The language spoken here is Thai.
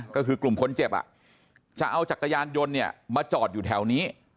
ก็คือกลุ่มคนเจ็บจะเอาจักรยานยนต์เนี่ยมาจอดอยู่แถวนี้